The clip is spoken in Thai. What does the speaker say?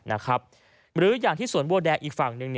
หรืออย่างที่นั่นที่สวนวัลแด๊กซ์อีกฝั่งหนึ่ง